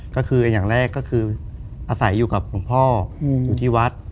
ก็คืออย่างแรกก็คืออาศัยอยู่กับหลวงพ่ออยู่ที่วัด